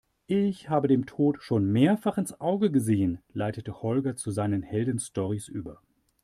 Ich habe dem Tod schon mehrfach ins Auge gesehen, leitete Holger zu seinen Heldenstorys über.